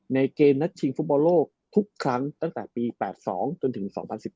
เกมนัดชิงฟุตบอลโลกทุกครั้งตั้งแต่ปี๘๒จนถึง๒๐๑๘